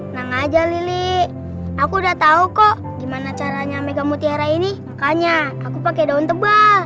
nang aja lili aku udah tau kok gimana caranya megang mutiara ini makanya aku pakai daun tebal